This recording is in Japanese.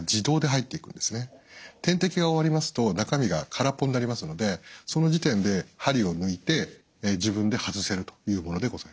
点滴が終わりますと中身が空っぽになりますのでその時点で針を抜いて自分で外せるというものでございます。